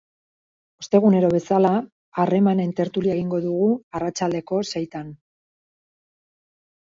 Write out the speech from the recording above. Ostegunero bezala harremanen tertulia egingo dugu arratsaldeko seitan.